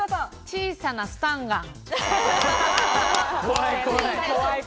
小さなスタンガン。